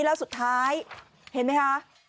แล้วสุดท้ายเห็นไหมคะ